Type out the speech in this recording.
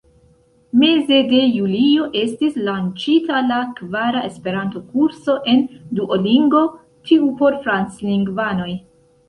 Meze de julio estis lanĉita la kvara Esperanto-kurso en Duolingo, tiu por franclingvanoj.